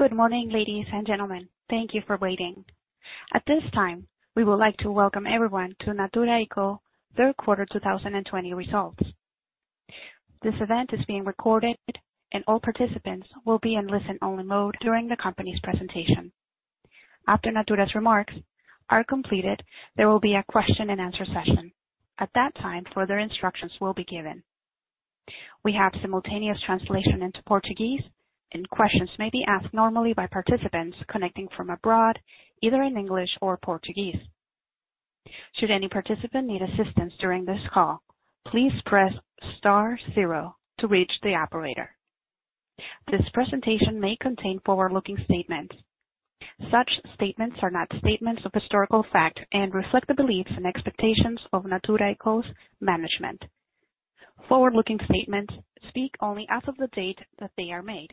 Good morning, ladies and gentlemen. Thank you for waiting. At this time, we would like to welcome everyone to Natura &Co's Third Quarter 2020 Results. This event is being recorded, and all participants will be in listen-only mode during the company's presentation. After Natura's remarks are completed, there will be a question-and-answer session. At that time, further instructions will be given. We have simultaneous translation into Portuguese, and questions may be asked normally by participants connecting from abroad, either in English or Portuguese. Should any participant need assistance during this call, please press star zero to reach the operator. This presentation may contain forward-looking statements. Such statements are not statements of historical fact and reflect the beliefs and expectations of Natura &Co's management. Forward-looking statements speak only as of the date that they are made,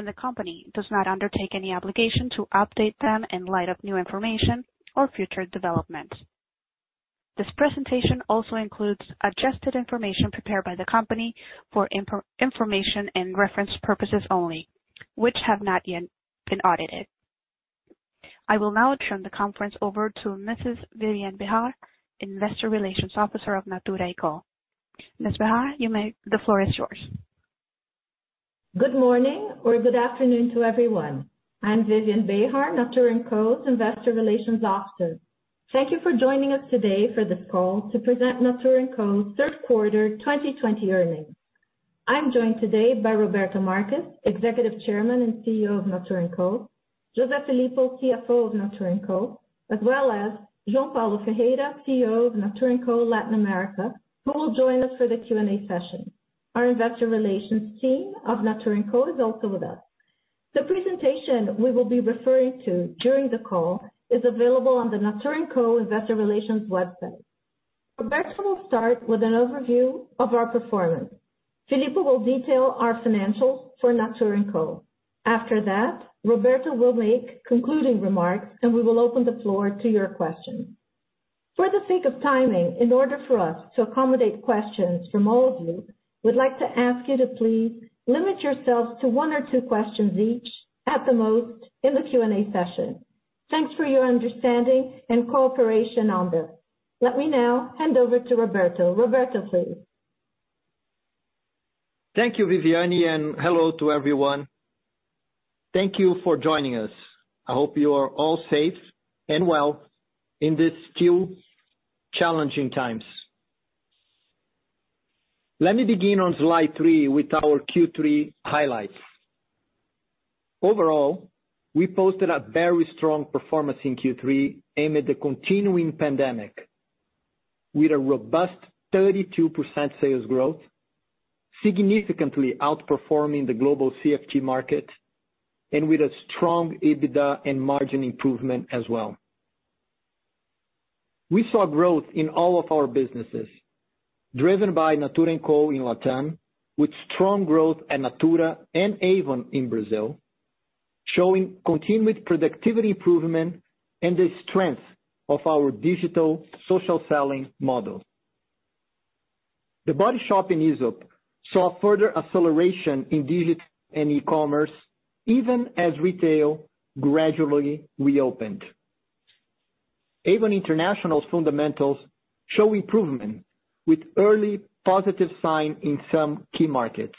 and the company does not undertake any obligation to update them in light of new information or future developments. This presentation also includes adjusted information prepared by the company for information and reference purposes only, which have not yet been audited. I will now turn the conference over to Mrs. Viviane Behar, Investor Relations Officer of Natura &Co. Ms. Behar, the floor is yours. Good morning, or good afternoon to everyone. I'm Viviane Behar, Natura &Co's Investor Relations Officer. Thank you for joining us today for this call to present Natura &Co's Third Quarter 2020 Earnings. I'm joined today by Roberto Marques, Executive Chairman and CEO of Natura &Co, José Filippo, CFO of Natura &Co, as well as João Paulo Ferreira, CEO of Natura &Co Latin America, who will join us for the Q&A session. Our investor relations team of Natura &Co is also with us. The presentation we will be referring to during the call is available on the Natura &Co investor relations website. Roberto will start with an overview of our performance. Filippo will detail our financials for Natura &Co. After that, Roberto will make concluding remarks, and we will open the floor to your questions. For the sake of timing, in order for us to accommodate questions from all of you, we'd like to ask you to please limit yourselves to one or two questions each, at the most, in the Q&A session. Thanks for your understanding and cooperation on this. Let me now hand over to Roberto. Roberto, please. Thank you, Viviane, and hello to everyone. Thank you for joining us. I hope you are all safe and well in these still challenging times. Let me begin on slide three with our Q3 highlights. Overall, we posted a very strong performance in Q3 amid the continuing pandemic. With a robust 32% sales growth, significantly outperforming the global CFT market, and with a strong EBITDA and margin improvement as well. We saw growth in all of our businesses, driven by Natura &Co in LatAm, with strong growth at Natura and Avon in Brazil, showing continued productivity improvement and the strength of our digital social selling model. The Body Shop and Aesop saw further acceleration in digital and e-commerce even as retail gradually reopened. Avon International's fundamentals show improvement, with early positive signs in some key markets.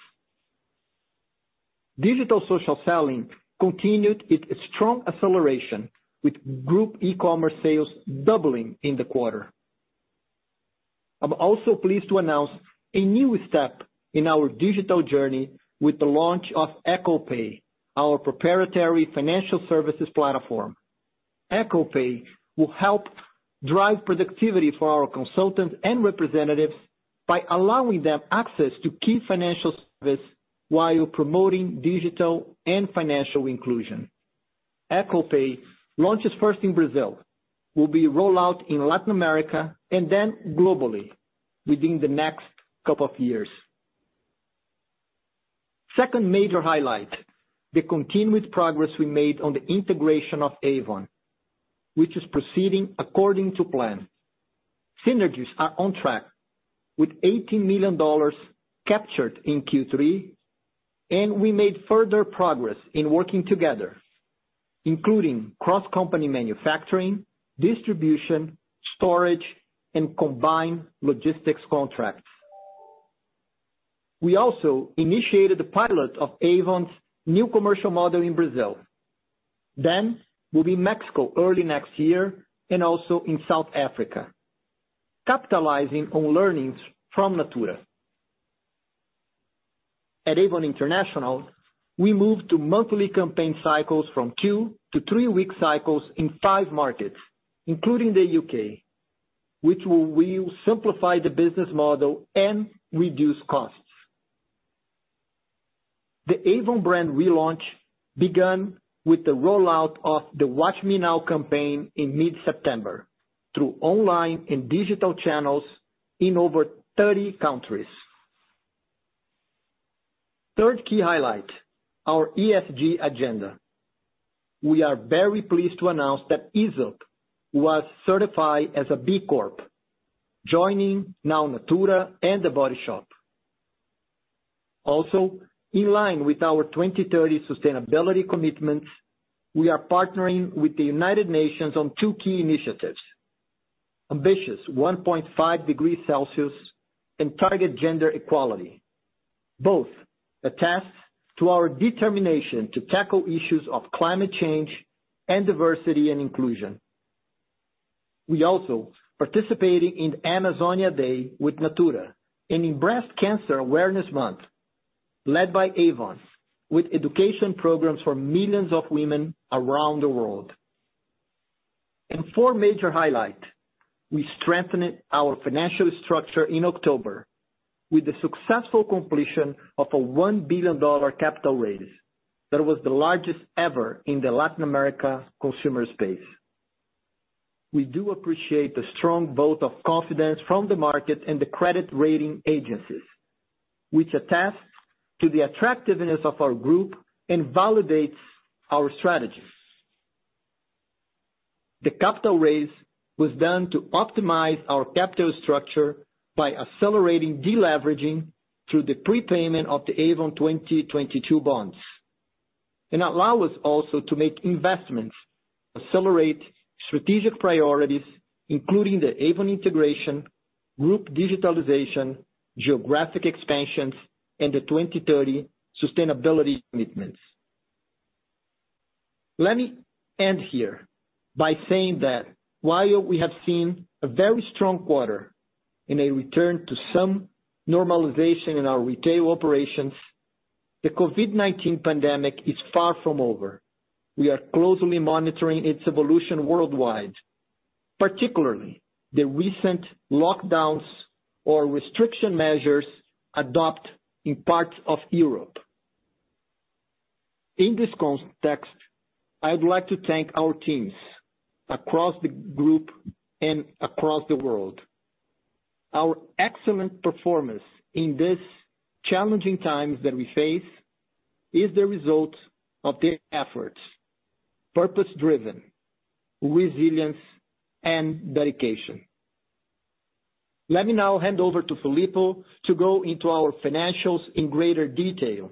Digital social selling continued its strong acceleration, with group e-commerce sales doubling in the quarter. I'm also pleased to announce a new step in our digital journey with the launch of &Co Pay, our proprietary financial services platform. &Co Pay will help drive productivity for our consultants and representatives by allowing them access to key financial services while promoting digital and financial inclusion. &Co Pay launches first in Brazil, will be rolled out in Latin America, and then globally within the next couple of years. Second major highlight, the continuous progress we made on the integration of Avon, which is proceeding according to plan. Synergies are on track, with $18 million captured in Q3, and we made further progress in working together, including cross-company manufacturing, distribution, storage, and combined logistics contracts. We also initiated the pilot of Avon's new commercial model in Brazil. Will be Mexico early next year and also in South Africa, capitalizing on learnings from Natura. At Avon International, we moved to monthly campaign cycles from two to three week cycles in five markets, including the U.K., which will simplify the business model and reduce costs. The Avon brand relaunch began with the rollout of the Watch Me Now campaign in mid-September, through online and digital channels in over 30 countries. Third key highlight, our ESG agenda. We are very pleased to announce that Aesop was certified as a B Corp, joining now Natura and The Body Shop. In line with our 2030 sustainability commitments, we are partnering with the United Nations on two key initiatives: ambitious 1.5 degrees Celsius and Target Gender Equality, both attest to our determination to tackle issues of climate change and diversity and inclusion. We also participated in Amazonia Day with Natura and in Breast Cancer Awareness Month, led by Avon, with education programs for millions of women around the world. Four major highlight. We strengthened our financial structure in October with the successful completion of a $1 billion capital raise that was the largest ever in the Latin America consumer space. We do appreciate the strong vote of confidence from the market and the credit rating agencies, which attests to the attractiveness of our group and validates our strategies. The capital raise was done to optimize our capital structure by accelerating de-leveraging through the prepayment of the Avon 2022 bonds, and allow us also to make investments, accelerate strategic priorities, including the Avon integration, group digitalization, geographic expansions, and the 2030 sustainability commitments. Let me end here by saying that while we have seen a very strong quarter and a return to some normalization in our retail operations, the COVID-19 pandemic is far from over. We are closely monitoring its evolution worldwide, particularly the recent lockdowns or restriction measures adopted in parts of Europe. In this context, I would like to thank our teams across the group and across the world. Our excellent performance in this challenging times that we face is the result of their efforts, purpose-driven, resilience, and dedication. Let me now hand over to Filippo to go into our financials in greater detail.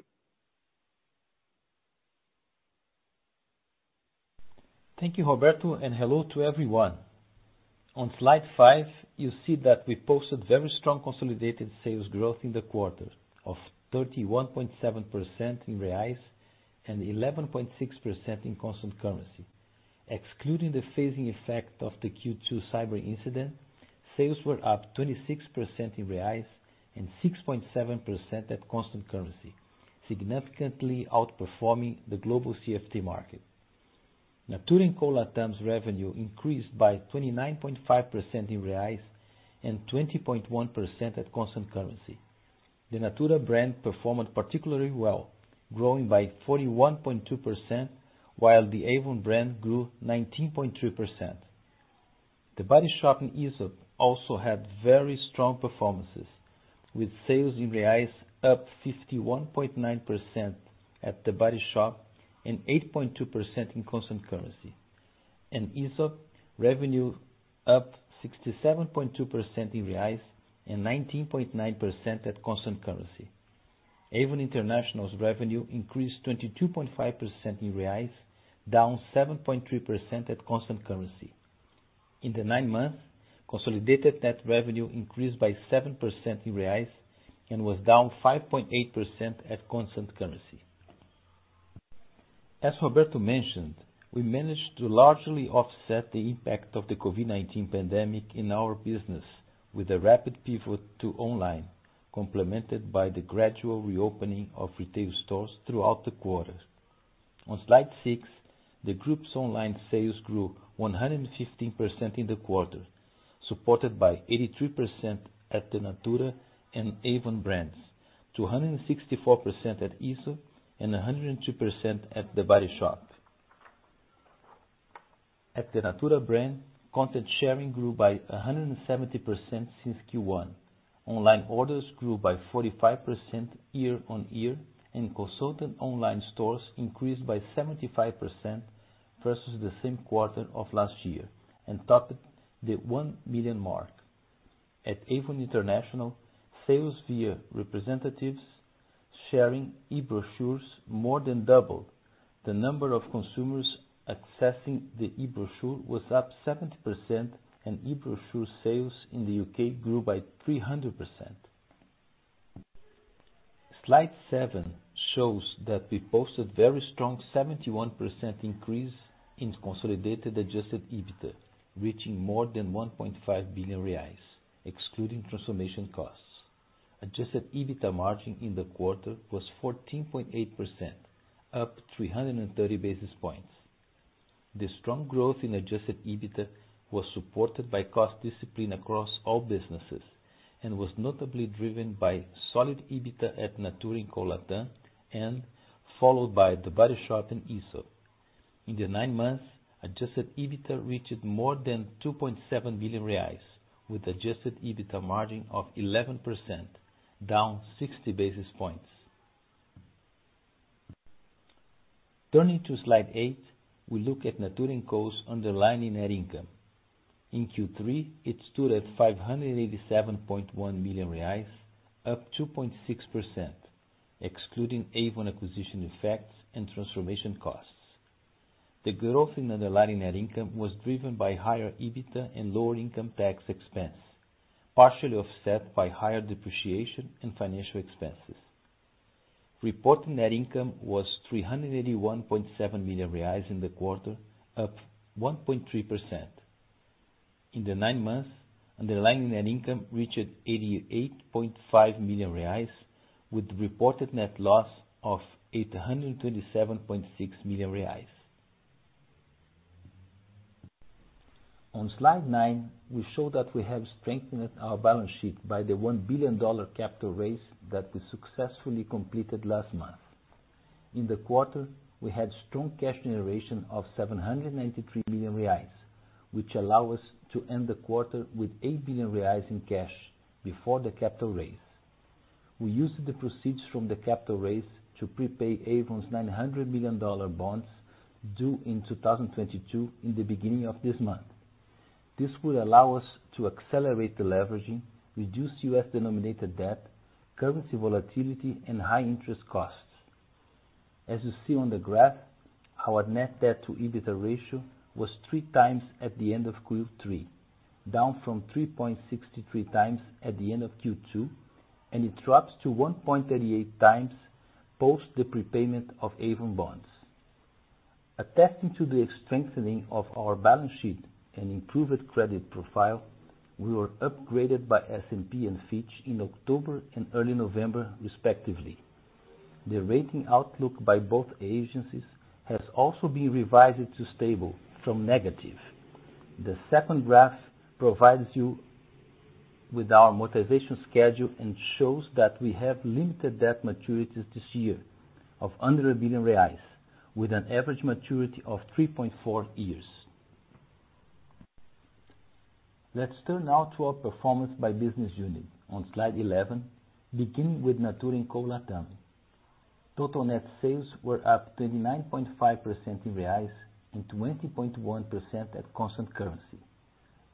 Thank you, Roberto, and hello to everyone. On slide five, you see that we posted very strong consolidated sales growth in the quarter of 31.7% in reais and 11.6% in constant currency. Excluding the phasing effect of the Q2 cyber incident, sales were up 26% in reais and 6.7% at constant currency, significantly outperforming the global CFT market. Natura &Co LatAm's revenue increased by 29.5% in reais and 20.1% at constant currency. The Natura brand performed particularly well, growing by 41.2%, while the Avon brand grew 19.3%. The Body Shop and Aesop also had very strong performances, with sales in reais up 51.9% at The Body Shop and 8.2% in constant currency. In Aesop, revenue up 67.2% in reais and 19.9% at constant currency. Avon International's revenue increased 22.5% in reais, down 7.3% at constant currency. In the nine months, consolidated net revenue increased by 7% in reais and was down 5.8% at constant currency. As Roberto mentioned, we managed to largely offset the impact of the COVID-19 pandemic in our business with a rapid pivot to online, complemented by the gradual reopening of retail stores throughout the quarter. On slide six, the group's online sales grew 115% in the quarter, supported by 83% at the Natura and Avon brands, 264% at Aesop, and 102% at The Body Shop. At the Natura brand, content sharing grew by 170% since Q1. Online orders grew by 45% year-on-year, and consultant online stores increased by 75% versus the same quarter of last year and topped the 1 million mark. At Avon International, sales via representatives sharing e-brochures more than doubled. The number of consumers accessing the e-brochure was up 70%. E-brochure sales in the U.K. grew by 300%. Slide seven shows that we posted very strong 71% increase in consolidated adjusted EBITDA, reaching more than 1.5 billion reais, excluding transformation costs. Adjusted EBITDA margin in the quarter was 14.8%, up 330 basis points. The strong growth in adjusted EBITDA was supported by cost discipline across all businesses and was notably driven by solid EBITDA at Natura &Co LatAm and followed by The Body Shop and Aesop. In the nine months, adjusted EBITDA reached more than 2.7 billion reais with adjusted EBITDA margin of 11%, down 60 basis points. Turning to slide eight, we look at Natura &Co's underlying net income. In Q3, it stood at 587.1 million reais, up 2.6%, excluding Avon acquisition effects and transformation costs. The growth in underlying net income was driven by higher EBITDA and lower income tax expense, partially offset by higher depreciation and financial expenses. Reported net income was 381.7 million reais in the quarter, up 1.3%. In the nine months, underlying net income reached 88.5 million reais with reported net loss of 827.6 million reais. On slide nine, we show that we have strengthened our balance sheet by the $1 billion capital raise that we successfully completed last month. In the quarter, we had strong cash generation of 793 million reais, which allow us to end the quarter with 8 billion reais in cash before the capital raise. We used the proceeds from the capital raise to prepay Avon's $900 million bonds due in 2022 in the beginning of this month. This will allow us to accelerate deleveraging, reduce U.S.-denominated debt, currency volatility, and high interest costs. As you see on the graph, our net debt to EBITDA ratio was 3x at the end of Q3, down from 3.63x at the end of Q2, and it drops to 1.38x post the prepayment of Avon bonds. Attesting to the strengthening of our balance sheet and improved credit profile, we were upgraded by S&P and Fitch in October and early November, respectively. The rating outlook by both agencies has also been revised to stable from negative. The second graph provides you with our motivation schedule and shows that we have limited debt maturities this year of under 1 billion reais with an average maturity of 3.4 years. Let's turn now to our performance by business unit on slide 11, beginning with Natura &Co LatAm. Total net sales were up 29.5% in reais and 20.1% at constant currency.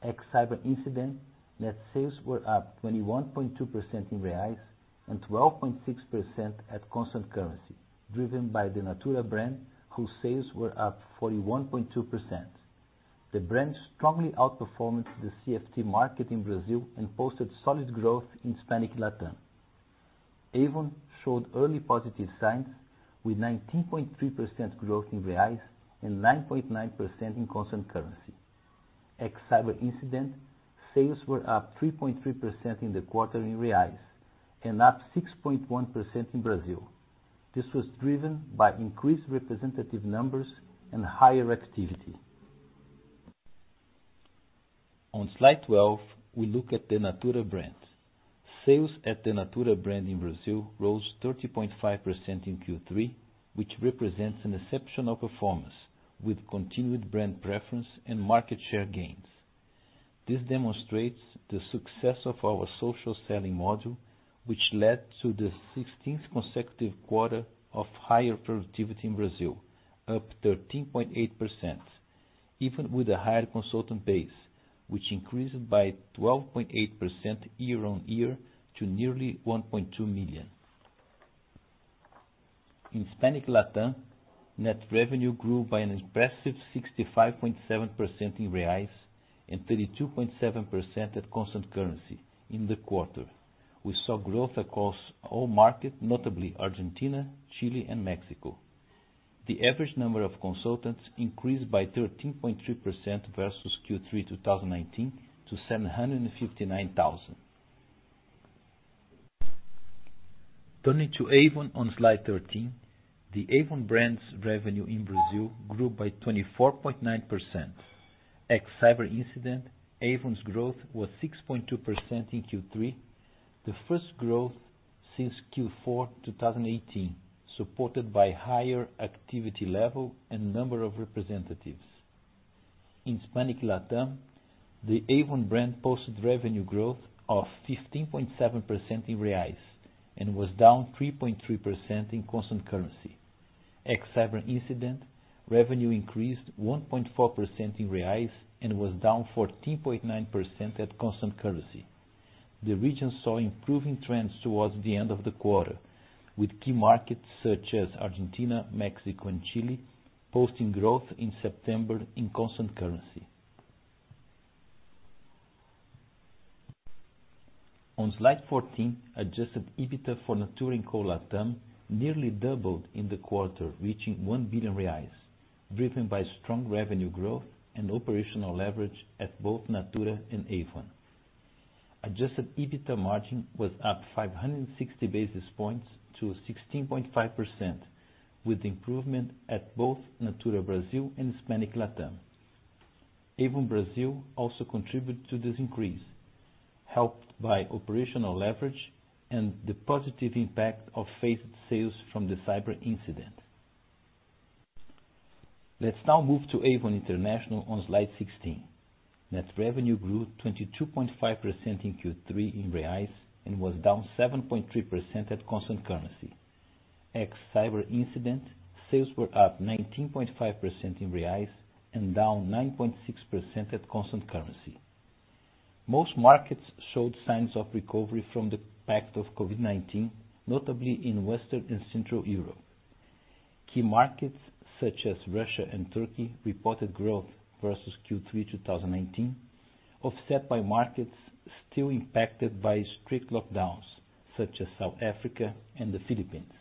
Ex cyber incident, net sales were up 21.2% in reais and 12.6% at constant currency, driven by the Natura brand, whose sales were up 41.2%. The brand strongly outperformed the CFT market in Brazil and posted solid growth in Hispanic LatAm. Avon showed early positive signs with 19.3% growth in reais and 9.9% in constant currency. Ex cyber incident, sales were up 3.3% in the quarter in reais and up 6.1% in Brazil. This was driven by increased representative numbers and higher activity. On slide 12, we look at the Natura brand. Sales at the Natura brand in Brazil rose 30.5% in Q3, which represents an exceptional performance with continued brand preference and market share gains. This demonstrates the success of our social selling model, which led to the 16th consecutive quarter of higher productivity in Brazil, up 13.8%, even with a higher consultant base, which increased by 12.8% year-over-year to nearly 1.2 million. In Hispanic Latam, net revenue grew by an impressive 65.7% in reais and 32.7% at constant currency in the quarter. We saw growth across all markets, notably Argentina, Chile, and Mexico. The average number of consultants increased by 13.3% versus Q3 2019 to 759,000. Turning to Avon on slide 13, the Avon brand's revenue in Brazil grew by 24.9%. Ex cyber incident, Avon's growth was 6.2% in Q3, the first growth since Q4 2018, supported by higher activity level and number of representatives. In Hispanic LatAm, the Avon brand posted revenue growth of 15.7% in reais and was down 3.3% in constant currency. Ex cyber incident, revenue increased 1.4% in reais and was down 14.9% at constant currency. The region saw improving trends towards the end of the quarter with key markets such as Argentina, Mexico, and Chile posting growth in September in constant currency. On slide 14, adjusted EBITDA for Natura &Co LatAm nearly doubled in the quarter, reaching 1 billion reais, driven by strong revenue growth and operational leverage at both Natura and Avon. Adjusted EBITDA margin was up 560 basis points to 16.5% with improvement at both Natura Brazil and Hispanic LatAm. Avon Brazil also contributed to this increase, helped by operational leverage and the positive impact of phased sales from the cyber incident. Let's now move to Avon International on slide 16. Net revenue grew 22.5% in Q3 in reais and was down 7.3% at constant currency. Ex cyber incident, sales were up 19.5% in reais and down 9.6% at constant currency. Most markets showed signs of recovery from the impact of COVID-19, notably in Western and Central Europe. Key markets such as Russia and Turkey reported growth versus Q3 2019, offset by markets still impacted by strict lockdowns, such as South Africa and the Philippines.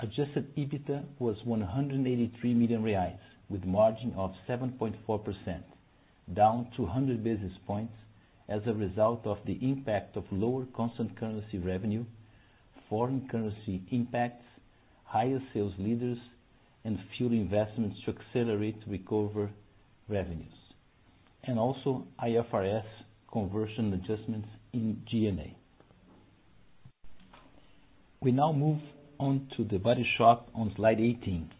Adjusted EBITDA was 183 million reais, with margin of 7.4%, down 200 basis points as a result of the impact of lower constant currency revenue, foreign currency impacts, higher sales leaders, and fuel investments to accelerate recover revenues, and also IFRS conversion adjustments in G&A. We now move on to The Body Shop on slide 18.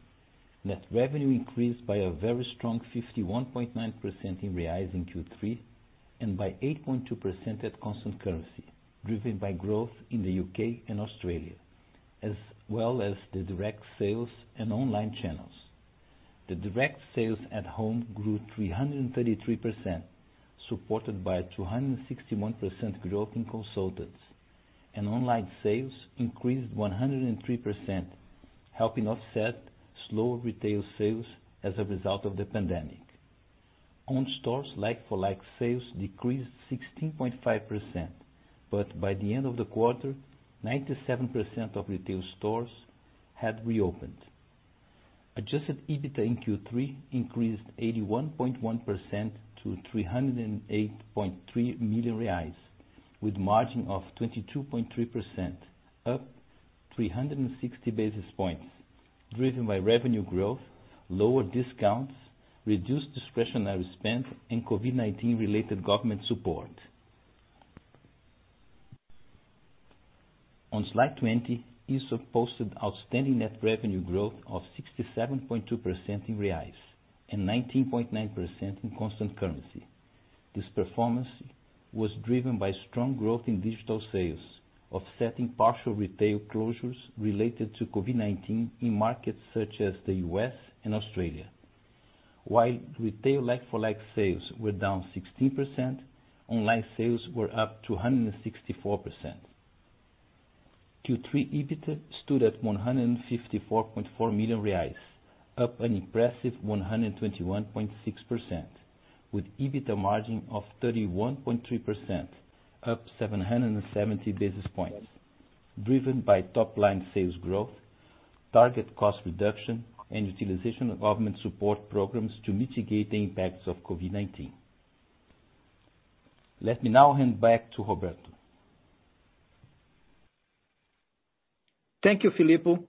Net revenue increased by a very strong 51.9% in reais in Q3, and by 8.2% at constant currency, driven by growth in the U.K. and Australia, as well as the direct sales and online channels. The direct sales at home grew 333%, supported by 261% growth in consultants, and online sales increased 103%, helping offset slow retail sales as a result of the pandemic. Own stores like-for-like sales decreased 16.5%, but by the end of the quarter, 97% of retail stores had reopened. Adjusted EBITDA in Q3 increased 81.1% to 308.3 million reais, with margin of 22.3%, up 360 basis points, driven by revenue growth, lower discounts, reduced discretionary spend, and COVID-19 related government support. On slide 20, Aesop posted outstanding net revenue growth of 67.2% in BRL and 19.9% in constant currency. This performance was driven by strong growth in digital sales, offsetting partial retail closures related to COVID-19 in markets such as the U.S. and Australia. While retail like-for-like sales were down 16%, online sales were up 264%. Q3 EBITDA stood at 154.4 million reais, up an impressive 121.6%, with EBITDA margin of 31.3%, up 770 basis points, driven by top-line sales growth, target cost reduction, and utilization of government support programs to mitigate the impacts of COVID-19. Let me now hand back to Roberto. Thank you, Filippo.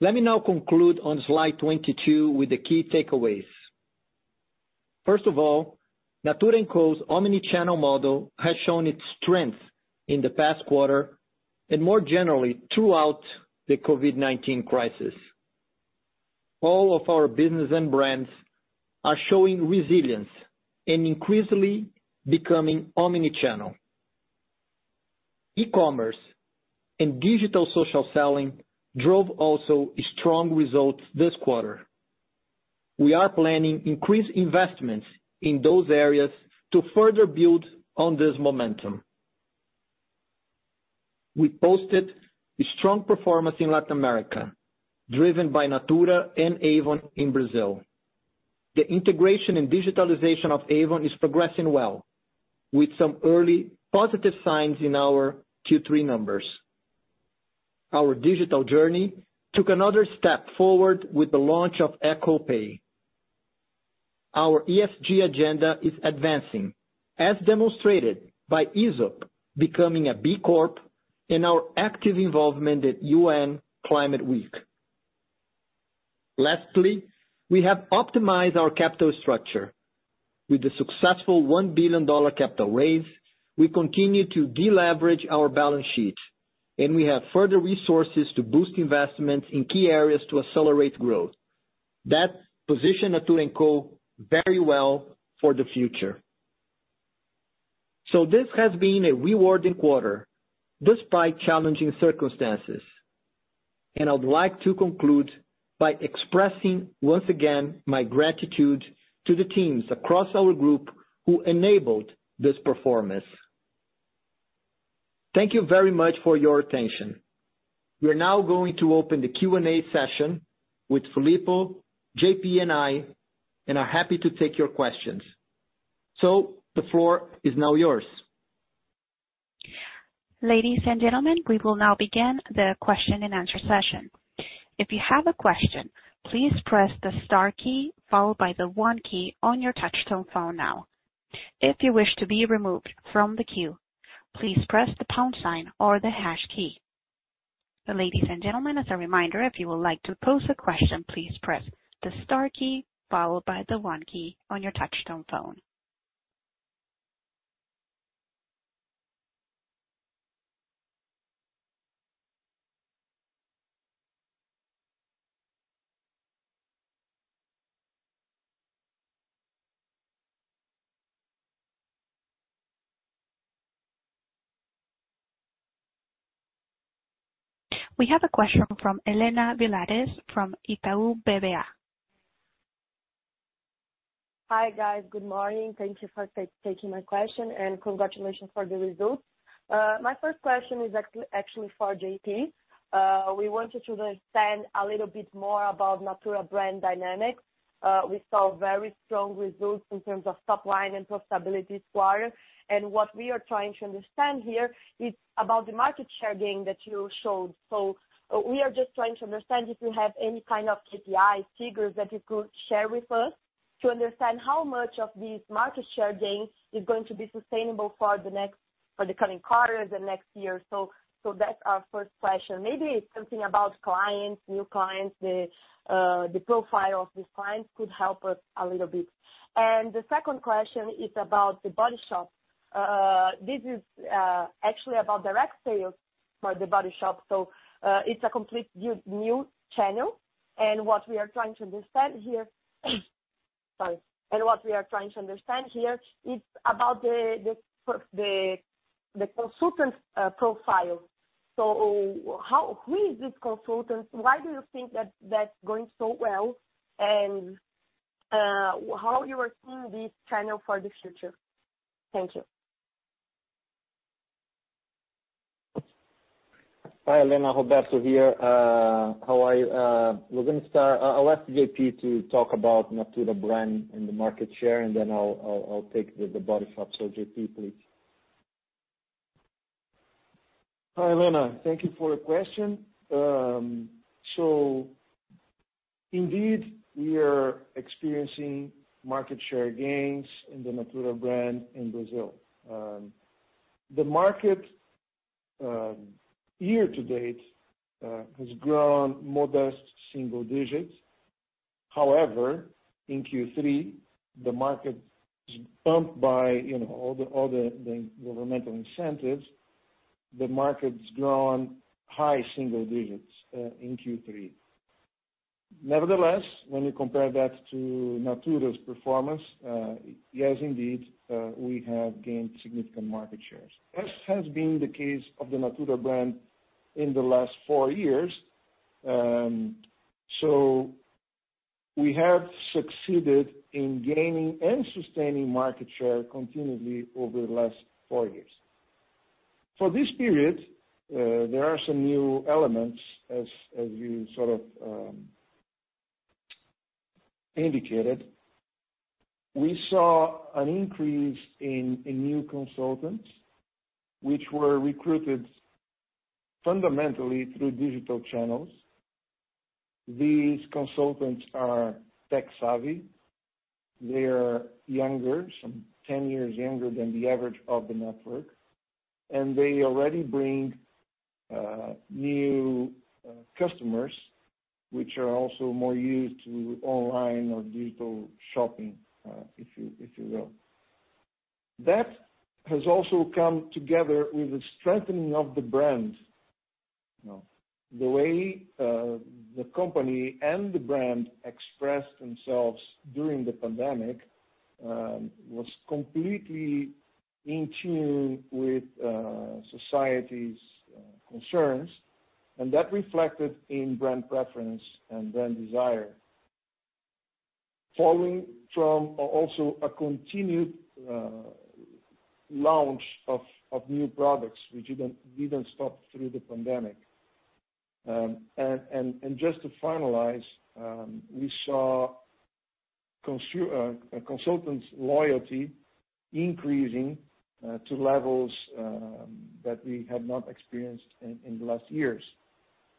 Let me now conclude on slide 22 with the key takeaways. First of all, Natura &Co's omni-channel model has shown its strength in the past quarter and more generally throughout the COVID-19 crisis. All of our business and brands are showing resilience and increasingly becoming omni-channel. E-commerce and digital social selling drove also strong results this quarter. We are planning increased investments in those areas to further build on this momentum. We posted a strong performance in Latin America, driven by Natura and Avon in Brazil. The integration and digitalization of Avon is progressing well, with some early positive signs in our Q3 numbers. Our digital journey took another step forward with the launch of &Co Pay. Our ESG agenda is advancing, as demonstrated by Aesop becoming a B Corp and our active involvement at UN Climate Week. Lastly, we have optimized our capital structure. With the successful $1 billion capital raise, we continue to deleverage our balance sheet, and we have further resources to boost investments in key areas to accelerate growth. That position Natura &Co very well for the future. This has been a rewarding quarter, despite challenging circumstances. I'd like to conclude by expressing, once again, my gratitude to the teams across our group who enabled this performance. Thank you very much for your attention. We are now going to open the Q&A session with Filippo, J.P., and I, and are happy to take your questions. The floor is now yours. Ladies and gentlemen, we will now begin the question-and-answer session. If you have a question, please press the star key followed by the one key on your touch-tone phone now. If you wish to be remove from the queue, please press the pound sign or the hash key. Ladies and gentleman, as a reminder if you would like to pose a question, please press the star key followed by the one key by the touch-tone phone. We have a question from Helena Villares from Itaú BBA. Hi, guys. Good morning. Thank you for taking my question, and congratulations for the results. My first question is actually for J.P. We wanted to understand a little bit more about Natura brand dynamics. We saw very strong results in terms of top line and profitability quarter. What we are trying to understand here is about the market share gain that you showed. We are just trying to understand if you have any kind of KPI figures that you could share with us to understand how much of this market share gain is going to be sustainable for the coming quarters and next year. That's our first question. Maybe it's something about clients, new clients, the profile of these clients could help us a little bit. The second question is about The Body Shop. This is actually about direct sales for The Body Shop. It's a complete new channel. What we are trying to understand here is about the consultant's profile. Who is this consultant? Why do you think that's going so well? How you are seeing this channel for the future? Thank you. Hi, Helena. Roberto here. How are you? We're going to start. I'll ask J.P. to talk about Natura brand and the market share, then I'll take The Body Shop. J.P., please. Hi, Helena. Thank you for the question. Indeed, we are experiencing market share gains in the Natura brand in Brazil. The market year-to-date has grown modest single digits. However, in Q3, the market is bumped by all the governmental incentives. The market's grown high single digits in Q3. Nevertheless, when we compare that to Natura's performance, yes, indeed, we have gained significant market shares. This has been the case of the Natura brand in the last four years. We have succeeded in gaining and sustaining market share continually over the last four years. For this period, there are some new elements as you sort of indicated. We saw an increase in new consultants, which were recruited fundamentally through digital channels. These consultants are tech savvy. They are younger, some 10 years younger than the average of the network. They already bring new customers, which are also more used to online or digital shopping, if you will. That has also come together with the strengthening of the brand. The way the company and the brand expressed themselves during the pandemic, was completely in tune with society's concerns, and that reflected in brand preference and brand desire. Following from also a continued launch of new products, which didn't stop through the pandemic. Just to finalize, we saw consultants' loyalty increasing to levels that we had not experienced in the last years.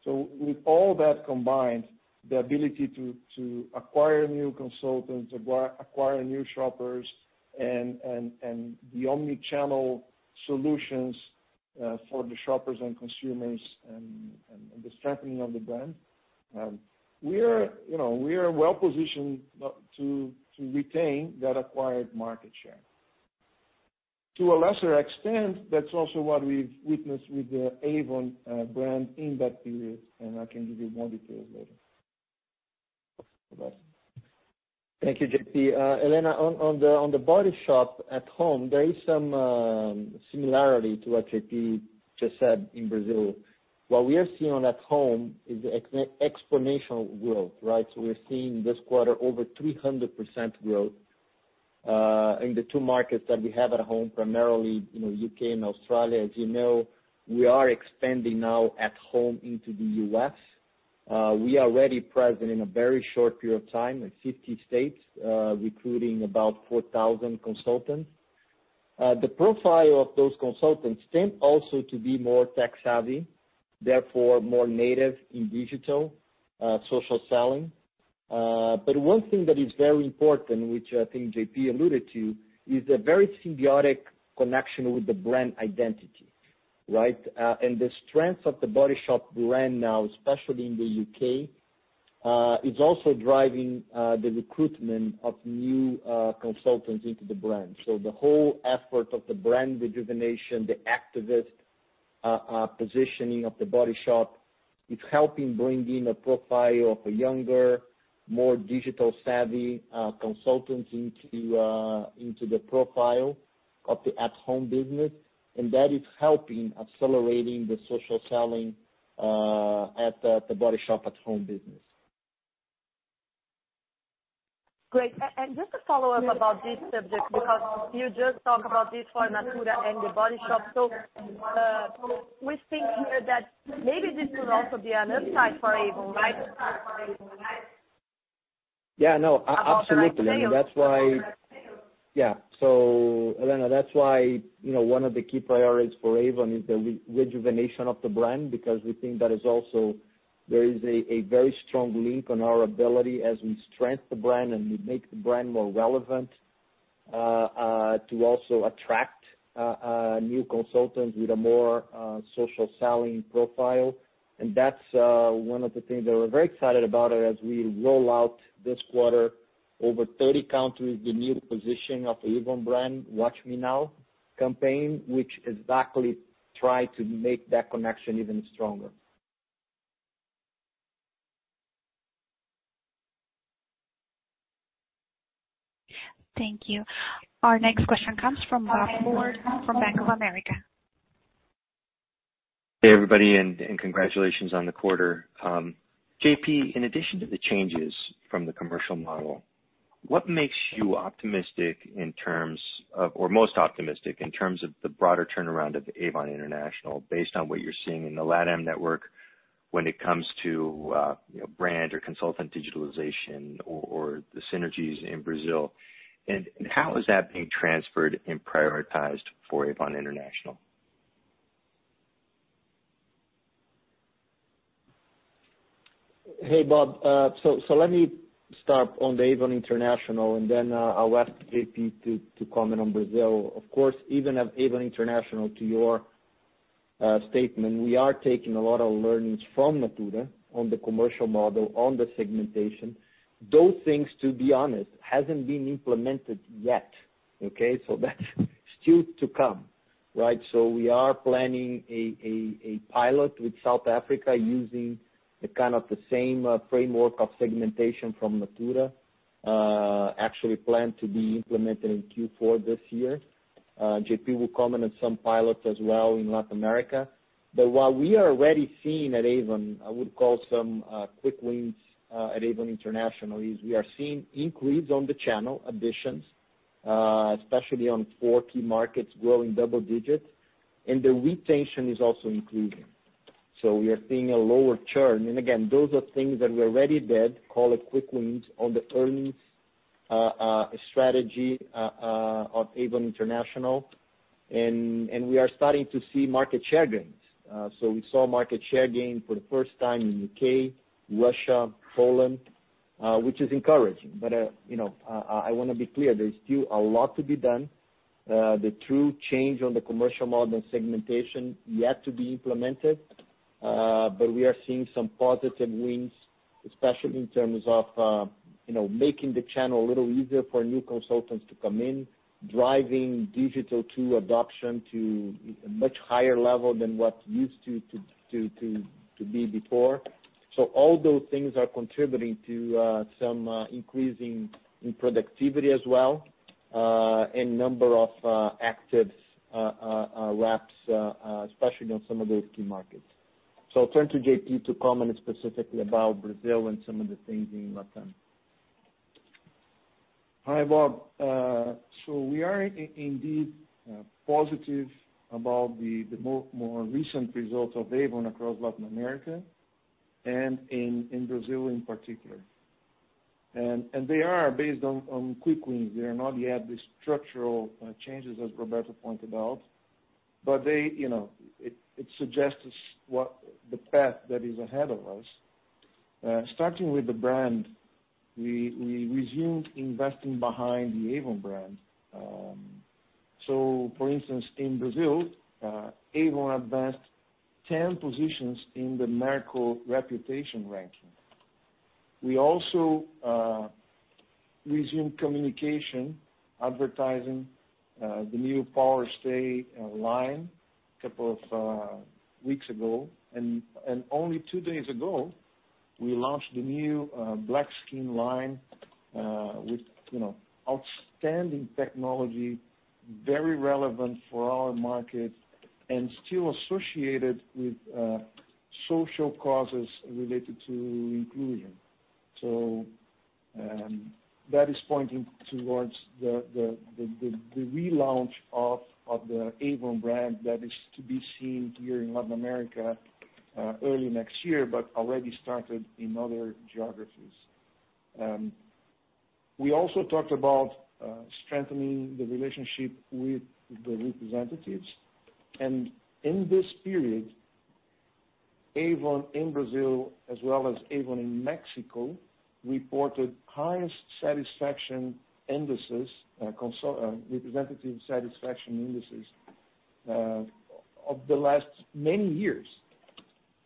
With all that combined, the ability to acquire new consultants, acquire new shoppers and the omni-channel solutions for the shoppers and consumers and the strengthening of the brand, we are well-positioned to retain that acquired market share. To a lesser extent, that's also what we've witnessed with the Avon brand in that period, and I can give you more details later. Roberto. Thank you, J.P. Helena, on The Body Shop at home, there is some similarity to what J.P. just said in Brazil. What we are seeing at home is exponential growth, right? We're seeing this quarter over 300% growth, in the two markets that we have at home, primarily, U.K. and Australia. As you know, we are expanding now at home into the U.S. We are already present in a very short period of time in 50 states, recruiting about 4,000 consultants. The profile of those consultants tend also to be more tech-savvy, therefore more native in digital, social selling. One thing that is very important, which I think J.P. alluded to, is a very symbiotic connection with the brand identity, right? The strength of The Body Shop brand now, especially in the U.K. It's also driving the recruitment of new consultants into the brand. The whole effort of the brand rejuvenation, the activist positioning of The Body Shop, is helping bring in a profile of a younger, more digital-savvy consultant into the profile of the at-home business, and that is helping accelerating the social selling at The Body Shop at-home business. Great. Just a follow-up about this subject, because you just talked about this for Natura and The Body Shop. We think here that maybe this could also be an upside for Avon, right? Yeah. No, absolutely. About the right sales. Yeah. Helena, that's why one of the key priorities for Avon is the rejuvenation of the brand, because we think that there is a very strong link on our ability as we strengthen the brand and we make the brand more relevant, to also attract new consultants with a more social selling profile. That's one of the things that we're very excited about as we roll out this quarter, over 30 countries, the new positioning of the Avon brand, Watch Me Now campaign, which exactly try to make that connection even stronger. Thank you. Our next question comes from Bob Ford from Bank of America. Hey, everybody, and congratulations on the quarter. J.P., in addition to the changes from the commercial model, what makes you optimistic in terms of, or most optimistic in terms of the broader turnaround of Avon International based on what you're seeing in the LatAm network when it comes to brand or consultant digitalization or the synergies in Brazil? How is that being transferred and prioritized for Avon International? Hey, Bob. Let me start on the Avon International, and then I'll ask J.P. to comment on Brazil. Of course, even at Avon International, to your statement, we are taking a lot of learnings from Natura on the commercial model, on the segmentation. Those things, to be honest, hasn't been implemented yet, okay? That's still to come. We are planning a pilot with South Africa using the same framework of segmentation from Natura. Actually planned to be implemented in Q4 this year. J.P. will comment on some pilots as well in Latin America. What we are already seeing at Avon, I would call some quick wins at Avon International, is we are seeing increase on the channel additions, especially on four key markets growing double digits. The retention is also increasing. We are seeing a lower churn. Again, those are things that we already did, call it quick wins, on the earnings strategy of Avon International. We are starting to see market share gains. We saw market share gain for the first time in U.K., Russia, Poland, which is encouraging. I want to be clear, there's still a lot to be done. The true change on the commercial model and segmentation yet to be implemented. We are seeing some positive wins, especially in terms of making the channel a little easier for new consultants to come in, driving digital tool adoption to a much higher level than what used to be before. All those things are contributing to some increase in productivity as well, and number of active reps, especially on some of those key markets. I'll turn to J.P. to comment specifically about Brazil and some of the things in LatAm. Hi, Bob. We are indeed positive about the more recent results of Avon across Latin America, and in Brazil in particular. They are based on quick wins. They are not yet the structural changes as Roberto pointed out. It suggests the path that is ahead of us. Starting with the brand, we resumed investing behind the Avon brand. For instance, in Brazil, Avon advanced 10 positions in the Merco Reputation ranking. We also resumed communication, advertising the new Power Stay line a couple of weeks ago. Only two days ago, we launched the new Black Skin line, with outstanding technology, very relevant for our market, and still associated with social causes related to inclusion. That is pointing towards the relaunch of the Avon brand that is to be seen here in Latin America early next year, but already started in other geographies. We also talked about strengthening the relationship with the representatives. In this period, Avon in Brazil as well as Avon in Mexico, reported highest satisfaction indices, representative satisfaction indices. Of the last many years,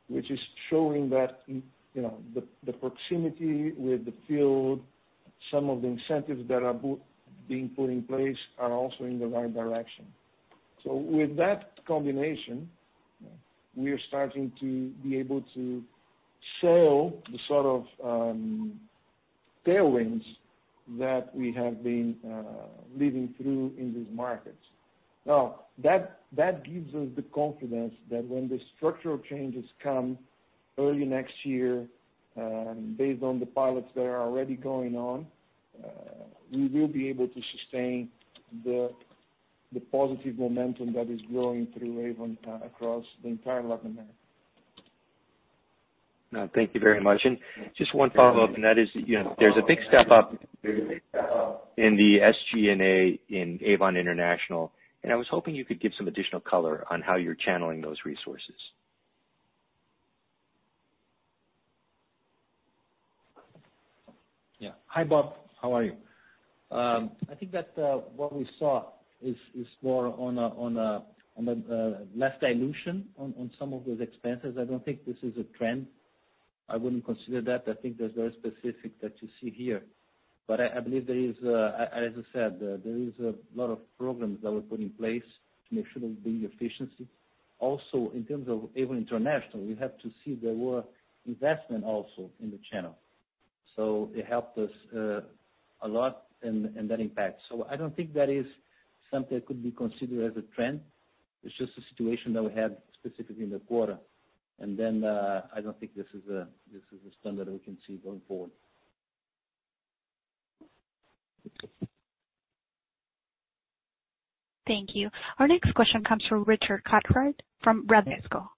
which is showing that the proximity with the field, some of the incentives that are being put in place are also in the right direction. With that combination, we are starting to be able to sail the sort of tailwinds that we have been living through in these markets. That gives us the confidence that when the structural changes come early next year, based on the pilots that are already going on, we will be able to sustain the positive momentum that is growing through Avon across the entire Latin America. Thank you very much. Just one follow-up, and that is, there's a big step-up in the SG&A in Avon International, and I was hoping you could give some additional color on how you're channeling those resources. Hi, Bob. How are you? I think that what we saw is more on a less dilution on some of those expenses. I don't think this is a trend. I wouldn't consider that. I think that's very specific that you see here. I believe, as I said, there is a lot of programs that were put in place to make sure there's big efficiency. Also, in terms of Avon International, we have to see there were investment also in the channel. It helped us a lot in that impact. I don't think that is something that could be considered as a trend. It's just a situation that we had specifically in the quarter. I don't think this is a standard that we can see going forward. Thank you. Our next question comes from Richard Cathcart from Bradesco.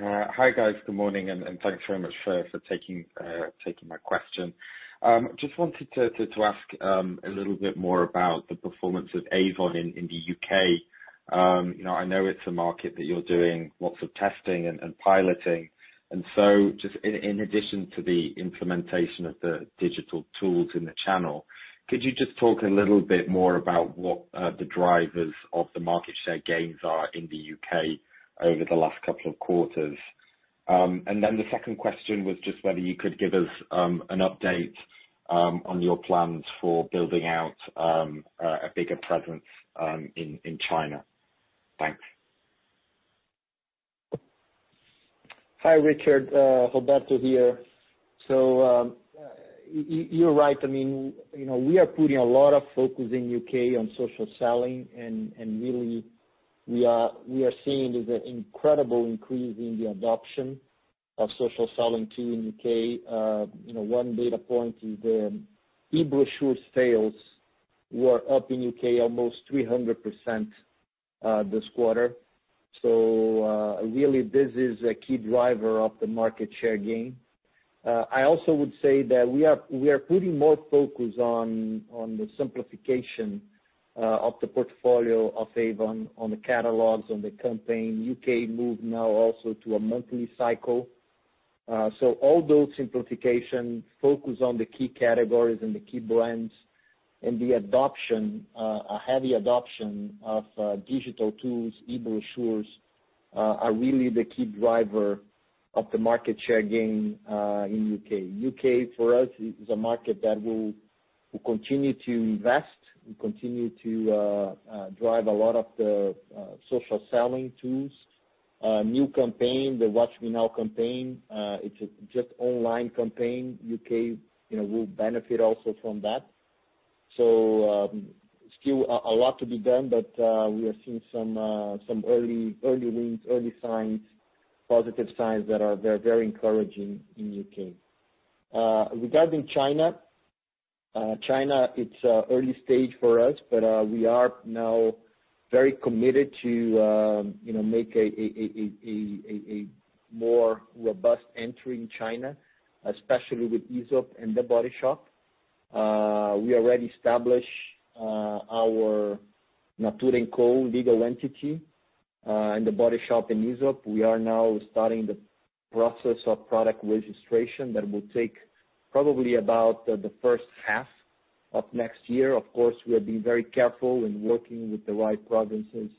Hi, guys. Good morning, and thanks very much for taking my question. Just wanted to ask a little bit more about the performance of Avon in the U.K. I know it's a market that you're doing lots of testing and piloting. Just in addition to the implementation of the digital tools in the channel, could you just talk a little bit more about what the drivers of the market share gains are in the U.K. over the last couple of quarters? Then the second question was just whether you could give us an update on your plans for building out a bigger presence in China. Thanks. Hi, Richard. Roberto here. You're right. We are putting a lot of focus in U.K. on social selling, really, we are seeing the incredible increase in the adoption of social selling, too, in U.K. One data point is the e-brochure sales were up in U.K. almost 300% this quarter. Really, this is a key driver of the market share gain. I also would say that we are putting more focus on the simplification of the portfolio of Avon on the catalogs, on the campaign. U.K. moved now also to a monthly cycle. All those simplification focus on the key categories and the key brands and the adoption, a heavy adoption of digital tools, e-brochures, are really the key driver of the market share gain in U.K. U.K., for us, is a market that we'll continue to invest, we continue to drive a lot of the social selling tools. A new campaign, the Watch Me Now campaign. It's just online campaign. U.K. will benefit also from that. Still a lot to be done, but we are seeing some early wins, early signs, positive signs that are very encouraging in U.K. Regarding China. China, it's early stage for us, but we are now very committed to make a more robust entry in China, especially with Aesop and The Body Shop. We already established our Natura &Co legal entity in The Body Shop in Aesop. We are now starting the process of product registration that will take probably about the first half of next year. Of course, we are being very careful in working with the right provinces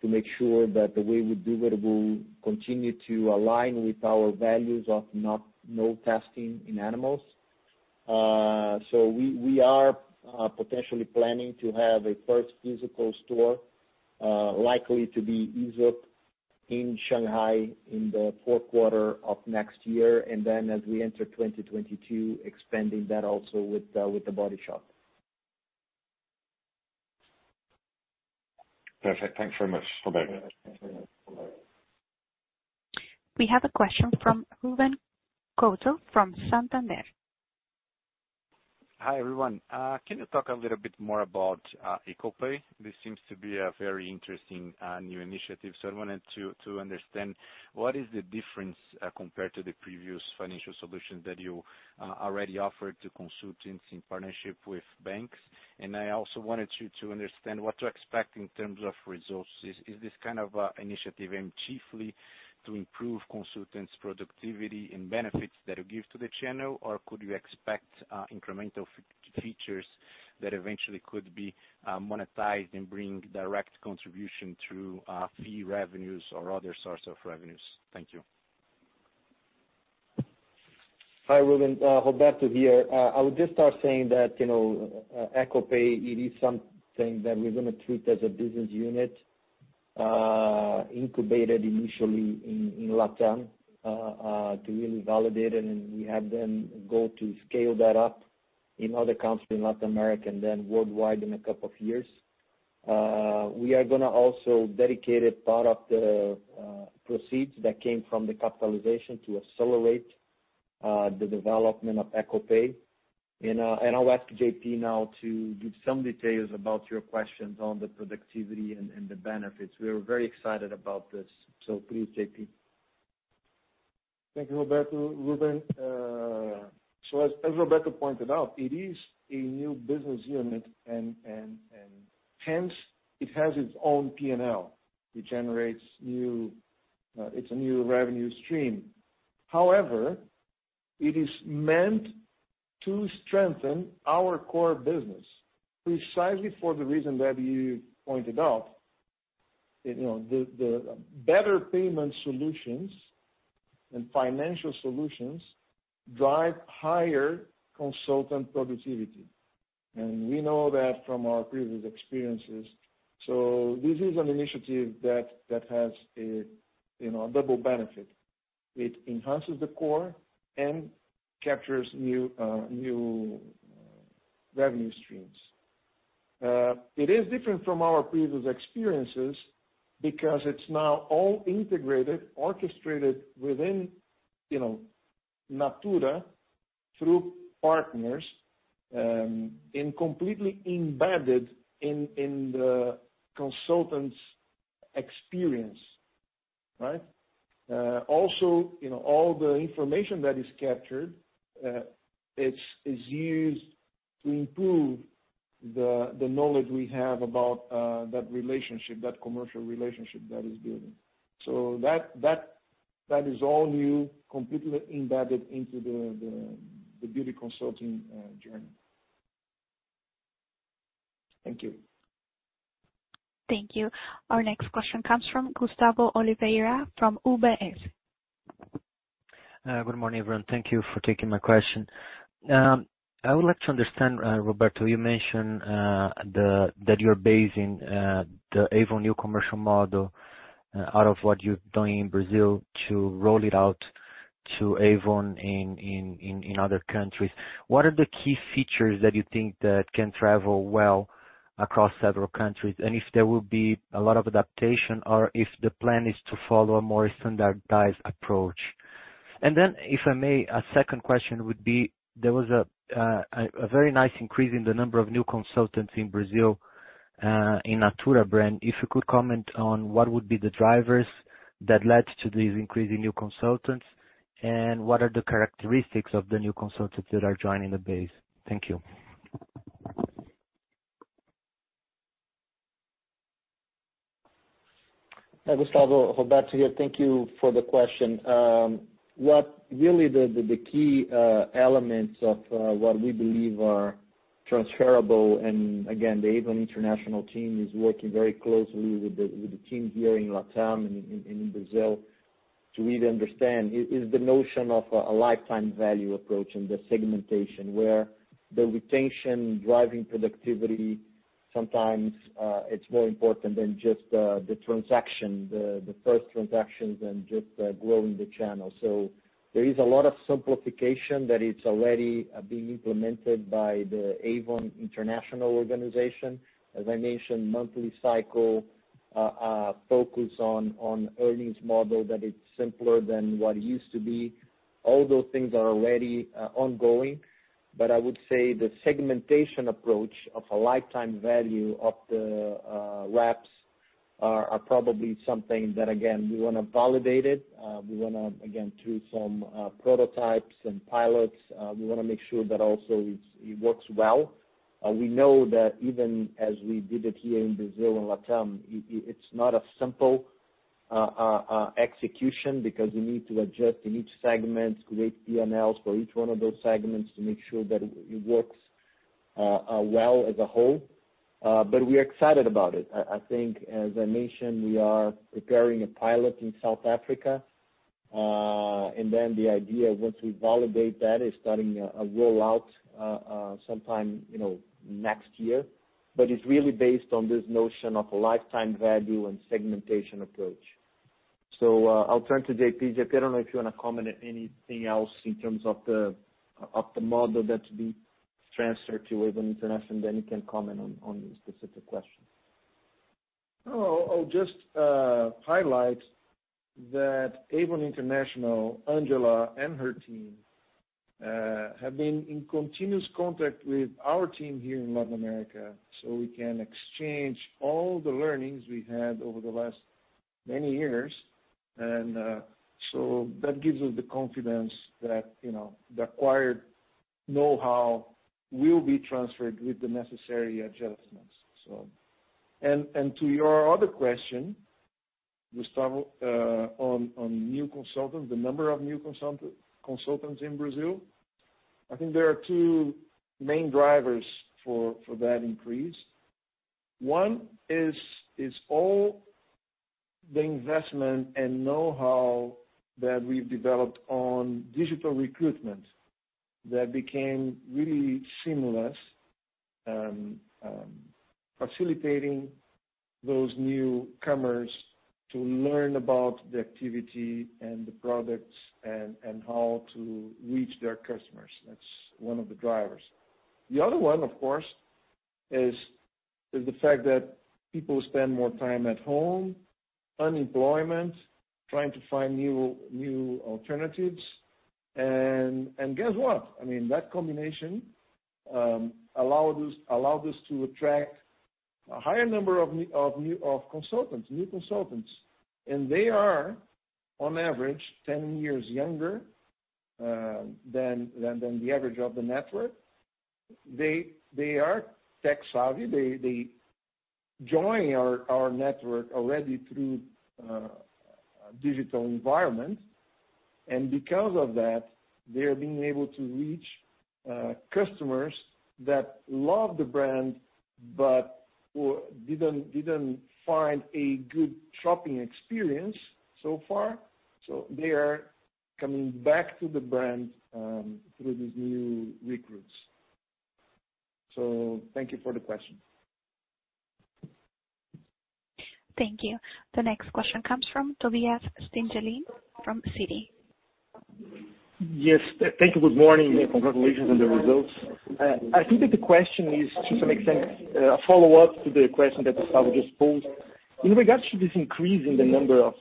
to make sure that the way we do it will continue to align with our values of no testing in animals. We are potentially planning to have a first physical store, likely to be Aesop, in Shanghai in the fourth quarter of next year. Then as we enter 2022, expanding that also with The Body Shop. Perfect. Thanks very much, Roberto. We have a question from Ruben Couto from Santander. Hi, everyone. Can you talk a little bit more about &Co Pay? This seems to be a very interesting new initiative. I wanted to understand what is the difference compared to the previous financial solutions that you already offered to consultants in partnership with banks. I also wanted to understand what to expect in terms of resources. Is this kind of initiative aimed chiefly to improve consultants' productivity and benefits that you give to the channel, or could you expect incremental features that eventually could be monetized and bring direct contribution through fee revenues or other source of revenues? Thank you. Hi, Ruben. Roberto here. I would just start saying that &Co Pay, it is something that we're going to treat as a business unit, incubated initially in LatAm, to really validate it. We have them go to scale that up in other countries in Latin America and then worldwide in a couple of years. We are going to also dedicate a part of the proceeds that came from the capitalization to accelerate the development of &Co Pay. I'll ask J.P. now to give some details about your questions on the productivity and the benefits. We are very excited about this. Please, J.P. Thank you, Roberto. Ruben. As Roberto pointed out, it is a new business unit and hence it has its own P&L. It's a new revenue stream. It is meant to strengthen our core business precisely for the reason that you pointed out. The better payment solutions and financial solutions drive higher consultant productivity, and we know that from our previous experiences. This is an initiative that has a double benefit. It enhances the core and captures new revenue streams. It is different from our previous experiences because it's now all integrated, orchestrated within Natura through partners, and completely embedded in the consultant's experience, right? All the information that is captured, is used to improve the knowledge we have about that commercial relationship that is building. That is all new, completely embedded into the beauty consulting journey. Thank you. Thank you. Our next question comes from Gustavo Oliveira from UBS. Good morning, everyone. Thank you for taking my question. I would like to understand, Roberto, you mentioned that you're basing the Avon new commercial model out of what you're doing in Brazil to roll it out to Avon in other countries. What are the key features that you think that can travel well across several countries? If there will be a lot of adaptation or if the plan is to follow a more standardized approach? If I may, a second question would be, there was a very nice increase in the number of new consultants in Brazil, in Natura. If you could comment on what would be the drivers that led to these increasing new consultants, and what are the characteristics of the new consultants that are joining the base? Thank you. Hi, Gustavo. Roberto here. Thank you for the question. What really the key elements of what we believe are transferable, and again, the Avon International team is working very closely with the team here in LatAm and in Brazil to really understand, is the notion of a lifetime value approach and the segmentation where the retention driving productivity, sometimes it's more important than just the first transactions and just growing the channel. There is a lot of simplification that is already being implemented by the Avon International organization. As I mentioned, monthly cycle, focus on earnings model that is simpler than what it used to be. All those things are already ongoing. I would say the segmentation approach of a lifetime value of the reps are probably something that, again, we want to validate it. We want to, again, through some prototypes and pilots, we want to make sure that also it works well. We know that even as we did it here in Brazil and LatAm, it's not a simple execution because we need to adjust in each segment, create P&Ls for each one of those segments to make sure that it works well as a whole. We are excited about it. I think, as I mentioned, we are preparing a pilot in South Africa. The idea once we validate that, is starting a rollout sometime next year. It's really based on this notion of a lifetime value and segmentation approach. I'll turn to J.P. J.P., I don't know if you want to comment anything else in terms of the model that will be transferred to Avon International, you can comment on the specific question. No. I'll just highlight that Avon International, Angela and her team, have been in continuous contact with our team here in Latin America so we can exchange all the learnings we've had over the last many years. That gives us the confidence that the acquired knowhow will be transferred with the necessary adjustments. To your other question-Gustavo, on new consultants, the number of new consultants in Brazil, I think there are two main drivers for that increase. One is all the investment and know-how that we've developed on digital recruitment that became really seamless, facilitating those newcomers to learn about the activity and the products and how to reach their customers. That's one of the drivers. The other one, of course, is the fact that people spend more time at home, unemployment, trying to find new alternatives, and guess what? That combination allowed us to attract a higher number of new consultants, and they are, on average, 10 years younger than the average of the network. They are tech-savvy. They join our network already through digital environment, and because of that, they're being able to reach customers that love the brand but didn't find a good shopping experience so far. They are coming back to the brand through these new recruits. Thank you for the question. Thank you. The next question comes from Tobias Stingelin from Citi. Yes. Thank you. Good morning, and congratulations on the results. I think that the question is, to some extent, a follow-up to the question that Gustavo just posed. In regards to this increase in the number of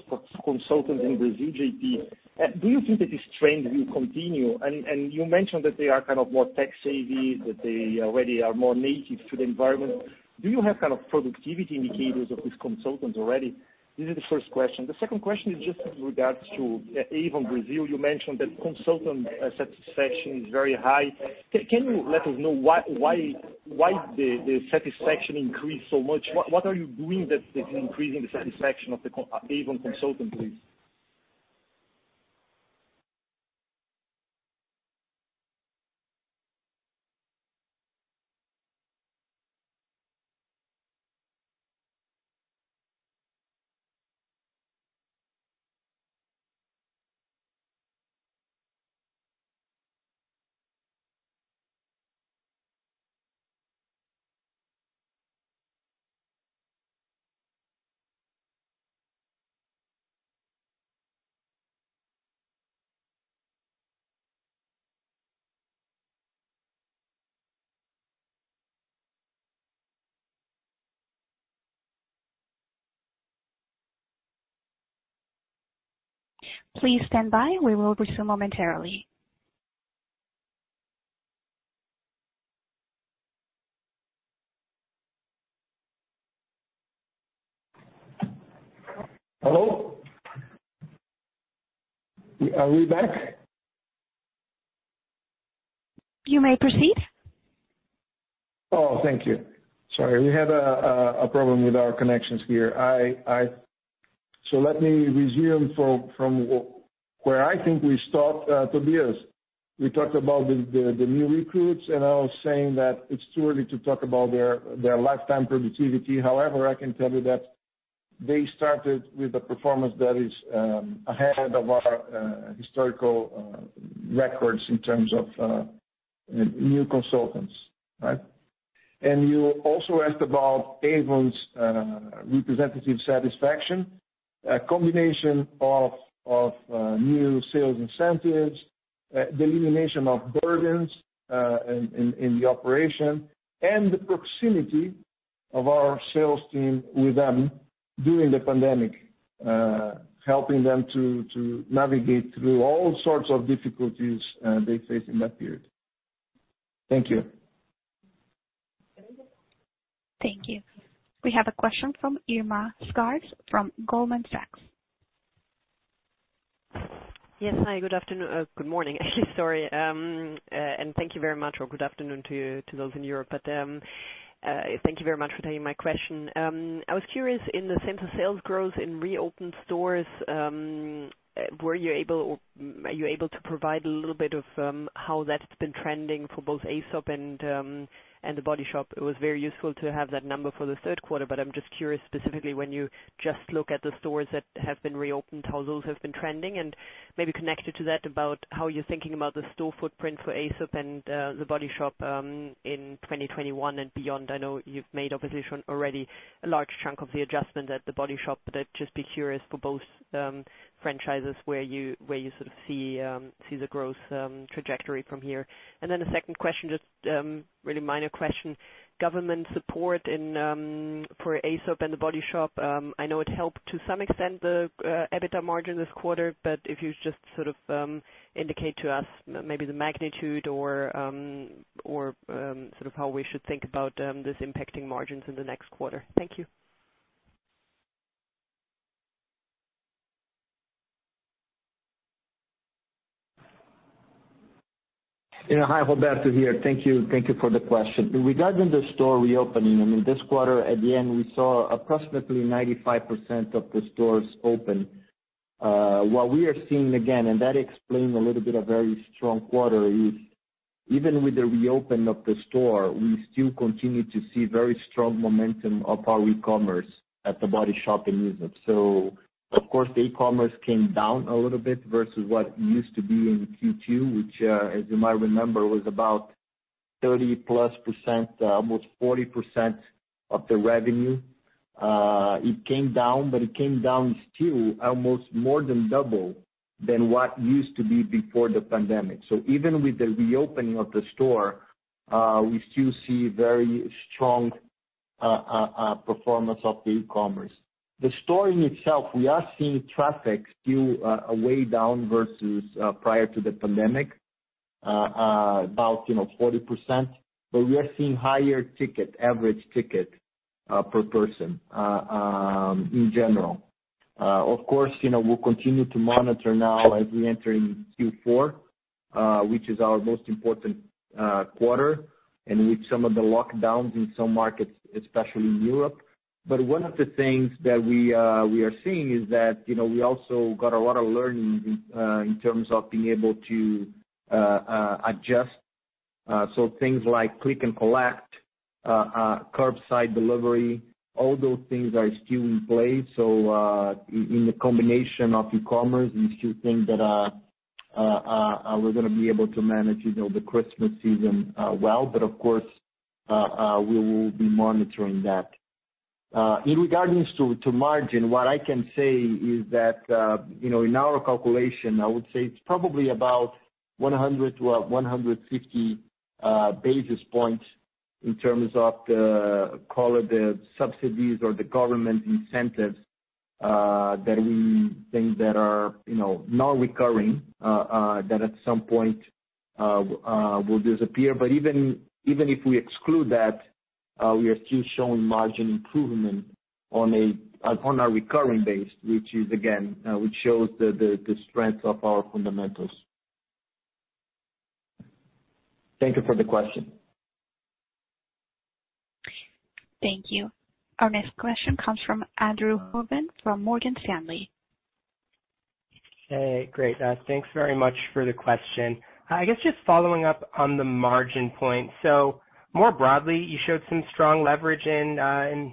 consultants in Brazil, J.P., do you think that this trend will continue? You mentioned that they are more tech-savvy, that they already are more native to the environment. Do you have productivity indicators of these consultants already? This is the first question. The second question is just with regards to Avon Brazil. You mentioned that consultant satisfaction is very high. Can you let us know why the satisfaction increased so much? What are you doing that is increasing the satisfaction of the Avon consultants, please? Please stand by. We will resume momentarily. Hello? Are we back? You may proceed. Thank you. Sorry, we had a problem with our connections here. Let me resume from where I think we stopped, Tobias. We talked about the new recruits, and I was saying that it's too early to talk about their lifetime productivity. However, I can tell you that they started with a performance that is ahead of our historical records in terms of new consultants. Right? You also asked about Avon's representative satisfaction, a combination of new sales incentives, the elimination of burdens in the operation, and the proximity of our sales team with them during the pandemic, helping them to navigate through all sorts of difficulties they faced in that period. Thank you. Thank you. We have a question from Irma Sgarz from Goldman Sachs. Yes. Hi, good afternoon. Good morning, actually, sorry. Thank you very much, or good afternoon to those in Europe. Thank you very much for taking my question. I was curious, in the same sales growth in reopened stores, were you able, or are you able to provide a little bit of how that's been trending for both Aesop and The Body Shop? It was very useful to have that number for the third quarter, I'm just curious specifically when you just look at the stores that have been reopened, how those have been trending. Maybe connected to that about how you're thinking about the store footprint for Aesop and The Body Shop in 2021 and beyond. I know you've made, obviously, already a large chunk of the adjustment at The Body Shop, but I'd just be curious for both franchises where you sort of see the growth trajectory from here. The second question, just really minor question. Government support for Aesop and The Body Shop. I know it helped to some extent the EBITDA margin this quarter, but if you just sort of indicate to us maybe the magnitude or sort of how we should think about this impacting margins in the next quarter. Thank you. Hi, Roberto here. Thank you for the question. Regarding the store reopening, this quarter at the end, we saw approximately 95% of the stores open. What we are seeing, again, and that explains a little bit of very strong quarter, is even with the reopen of the store, we still continue to see very strong momentum of our e-commerce at The Body Shop and Aesop. Of course, the e-commerce came down a little bit versus what used to be in Q2, which, as you might remember, was about 30%+, almost 40% of the revenue. It came down, it came down still almost more than double than what used to be before the pandemic. Even with the reopening of the store, we still see very strong performance of the e-commerce. The store in itself, we are seeing traffic still way down versus prior to the pandemic, about 40%, but we are seeing higher average ticket per person in general. Of course, we'll continue to monitor now as we enter into Q4, which is our most important quarter, and with some of the lockdowns in some markets, especially in Europe. One of the things that we are seeing is that we also got a lot of learning in terms of being able to adjust. Things like click and collect, curbside delivery, all those things are still in place. In the combination of e-commerce and these two things that we're going to be able to manage the Christmas season well. Of course, we will be monitoring that. In regards to margin, what I can say is that, in our calculation, I would say it's probably about 100-150 basis points in terms of the subsidies or the government incentives that we think that are non-recurring, that at some point will disappear. Even if we exclude that, we are still showing margin improvement on our recurring base, again, which shows the strength of our fundamentals. Thank you for the question. Thank you. Our next question comes from Andrew Ruben from Morgan Stanley. Hey, great. Thanks very much for the question. I guess just following up on the margin point. More broadly, you showed some strong leverage in the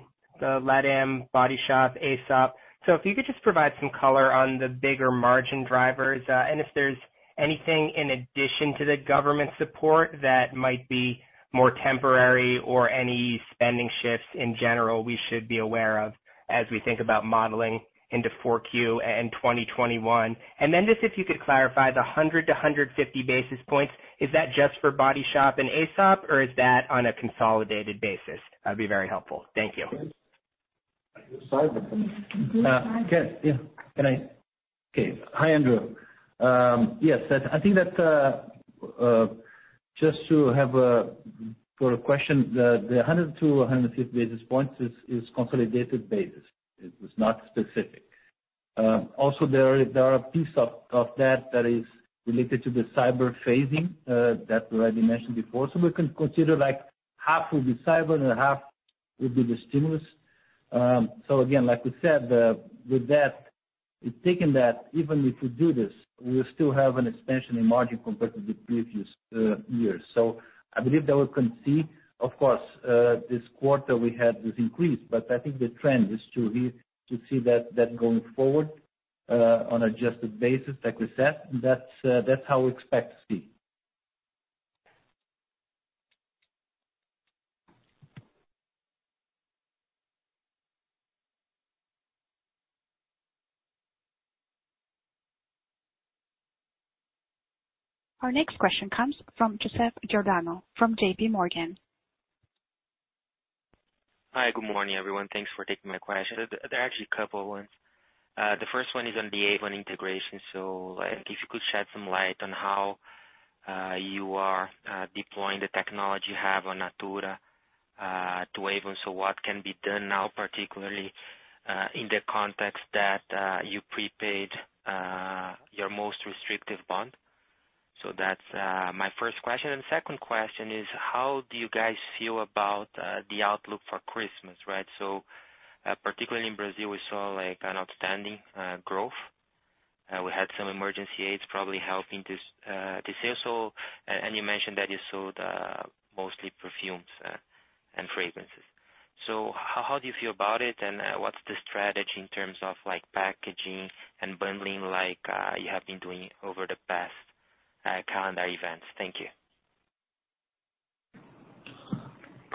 LatAm, The Body Shop, Aesop. If you could just provide some color on the bigger margin drivers, and if there's anything in addition to the government support that might be more temporary or any spending shifts in general we should be aware of as we think about modeling into 4Q and 2021. Just if you could clarify the 100-150 basis points, is that just for The Body Shop and Aesop, or is that on a consolidated basis? That'd be very helpful. Thank you. Okay. Hi, Andrew. Just to have for a question, the 100-150 basis points is consolidated basis. It was not specific. There are pieces of that that is related to the cyber phasing that already mentioned before. We can consider half will be cyber and half will be the stimulus. Again, like we said, with that, taking that, even if we do this, we will still have an expansion in margin compared to the previous years. I believe that we can see, of course, this quarter we had this increase, but I think the trend is to see that going forward on adjusted basis, like we said, that's how we expect to see. Our next question comes from Joseph Giordano from JPMorgan. Hi, good morning, everyone. Thanks for taking my question. There are actually a couple ones. The first one is on the Avon integration. If you could shed some light on how you are deploying the technology you have on Natura to Avon. What can be done now, particularly in the context that you prepaid your most restrictive bond? That's my first question. Second question is, how do you guys feel about the outlook for Christmas, right? Particularly in Brazil, we saw an outstanding growth. We had some emergency aids probably helping the sales. You mentioned that you sold mostly perfumes and fragrances. How do you feel about it, and what's the strategy in terms of packaging and bundling like you have been doing over the past calendar events? Thank you.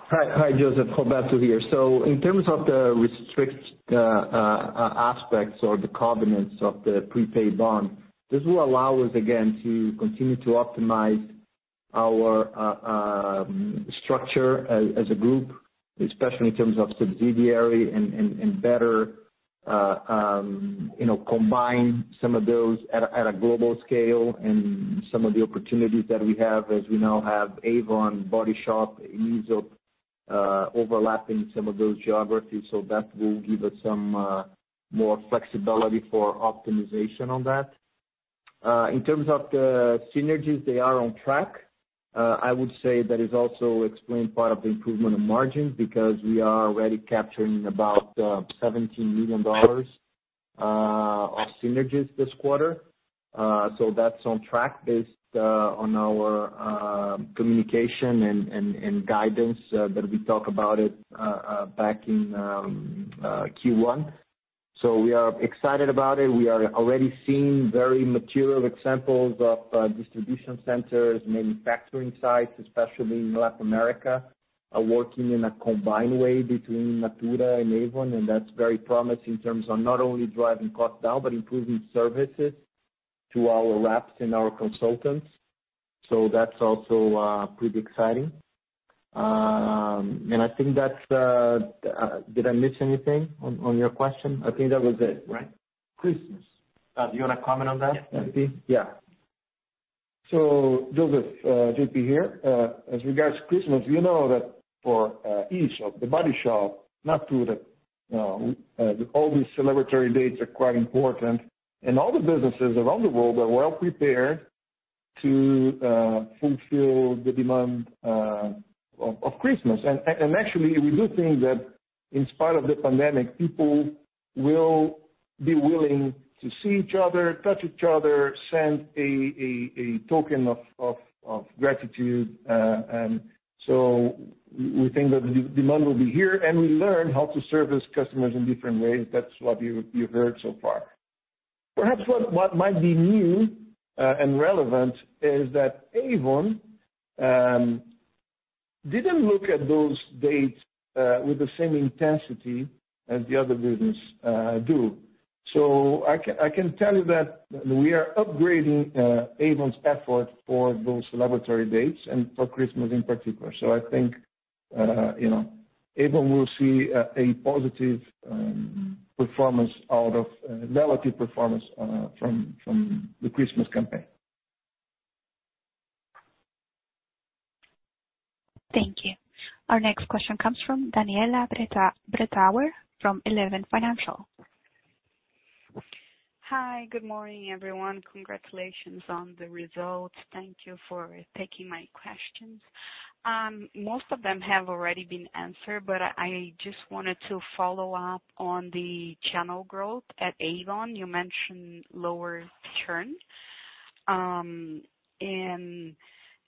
Hi, Joseph. Roberto here. In terms of the restrict aspects or the covenants of the prepaid bond, this will allow us, again, to continue to optimize our structure as a group, especially in terms of subsidiary and better combine some of those at a global scale and some of the opportunities that we have as we now have Avon, The Body Shop, Aesop overlapping some of those geographies. That will give us some more flexibility for optimization on that. In terms of the synergies, they are on track. I would say that has also explained part of the improvement in margins because we are already capturing about BRL 17 million of synergies this quarter. That's on track based on our communication and guidance that we talk about it back in Q1. We are excited about it. We are already seeing very material examples of distribution centers, manufacturing sites, especially in Latin America, are working in a combined way between Natura and Avon, and that's very promising in terms of not only driving cost down, but improving services to our reps and our consultants. That's also pretty exciting. Did I miss anything on your question? I think that was it, right? Christmas. Do you want to comment on that, J.P.? Yeah. Joseph, J.P. here. As regards to Christmas, you know that for each of The Body Shop, Natura, all these celebratory dates are quite important. All the businesses around the world are well-prepared to fulfill the demand of Christmas. Actually, we do think that in spite of the pandemic, people will be willing to see each other, touch each other, send a token of gratitude. We think that the demand will be here, and we learn how to service customers in different ways. That's what you've heard so far. Perhaps what might be new and relevant is that Avon didn't look at those dates with the same intensity as the other business do. I can tell you that we are upgrading Avon's effort for those celebratory dates and for Christmas in particular. I think Avon will see a positive performance relative performance from the Christmas campaign. Thank you. Our next question comes from Daniela Bretthauer from Eleven Financial. Hi, good morning, everyone. Congratulations on the results. Thank you for taking my questions. Most of them have already been answered. I just wanted to follow up on the channel growth at Avon. You mentioned lower churn.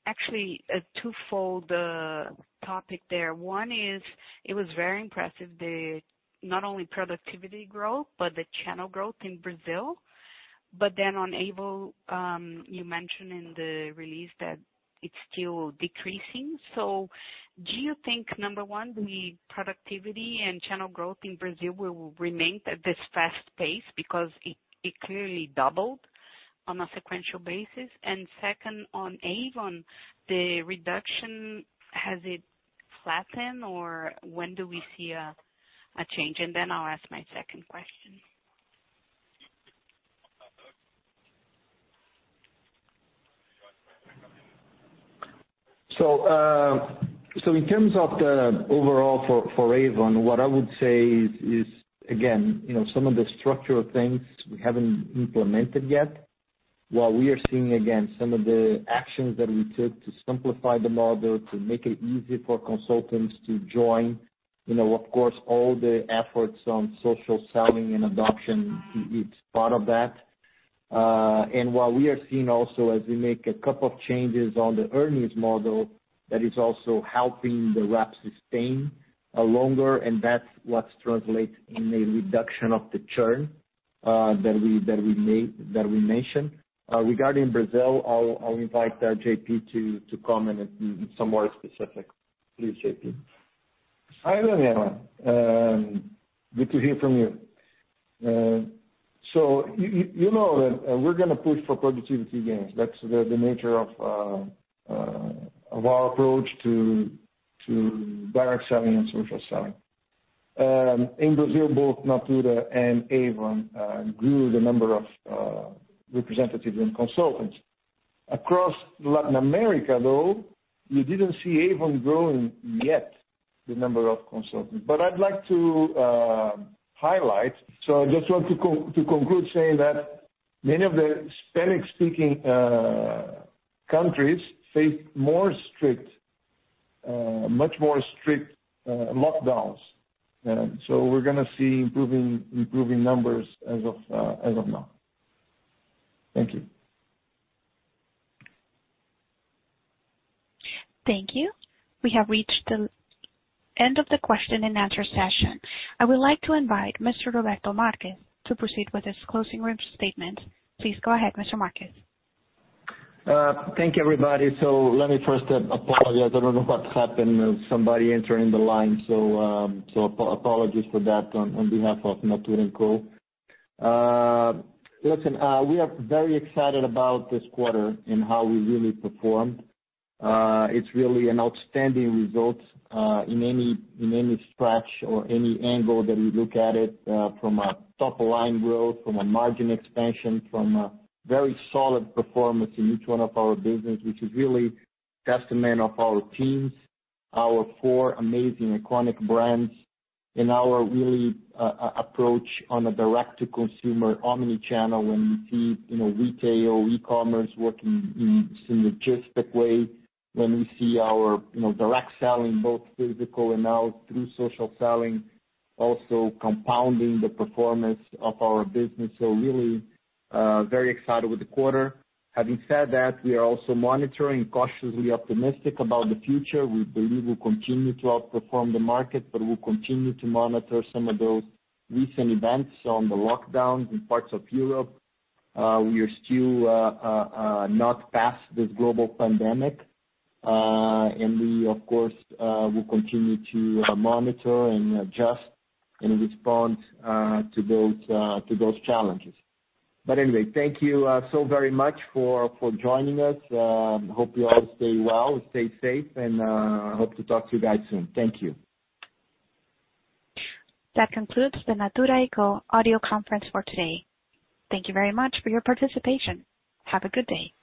Actually, a twofold topic there. One is, it was very impressive, not only productivity growth, but the channel growth in Brazil. On Avon, you mentioned in the release that it's still decreasing. Do you think, number one, the productivity and channel growth in Brazil will remain at this fast pace? Because it clearly doubled on a sequential basis. Second, on Avon, the reduction, has it flattened, or when do we see a change? I'll ask my second question. In terms of the overall for Avon, what I would say is, again, some of the structural things we haven't implemented yet, while we are seeing, again, some of the actions that we took to simplify the model, to make it easy for consultants to join, of course, all the efforts on social selling and adoption, it's part of that. While we are seeing also, as we make a couple of changes on the earnings model, that is also helping the reps sustain longer, and that's what translates in a reduction of the churn that we mention. Regarding Brazil, I'll invite J.P. to comment in some more specific. Please, J.P. Hi, Daniela. Good to hear from you. You know that we're going to push for productivity gains. That's the nature of our approach to direct selling and social selling. In Brazil, both Natura and Avon grew the number of representatives and consultants. Across Latin America, though, you didn't see Avon growing yet the number of consultants. I just want to conclude saying that many of the Spanish-speaking countries face much more strict lockdowns. We're going to see improving numbers as of now. Thank you. Thank you. We have reached the end of the question-and-answer session. I would like to invite Mr. Roberto Marques to proceed with his closing remarks statement. Please go ahead, Mr. Marques. Thank you, everybody. Let me first apologize. I don't know what happened, somebody entering the line. Apologies for that on behalf of Natura &Co. Listen, we are very excited about this quarter and how we really performed. It's really an outstanding result in any stretch or any angle that you look at it, from a top-line growth, from a margin expansion, from a very solid performance in each one of our business, which is really testament of our teams, our four amazing iconic brands, and our really approach on a direct-to-consumer omni-channel. When we see retail, e-commerce working in synergistic way, when we see our direct selling, both physical and now through social selling, also compounding the performance of our business. Really very excited with the quarter. Having said that, we are also monitoring cautiously optimistic about the future. We believe we'll continue to outperform the market, but we'll continue to monitor some of those recent events on the lockdowns in parts of Europe. We are still not past this global pandemic. We, of course, will continue to monitor and adjust and respond to those challenges. Anyway, thank you so very much for joining us. Hope you all stay well, stay safe, and hope to talk to you guys soon. Thank you. That concludes the Natura &Co audio conference for today. Thank you very much for your participation. Have a good day.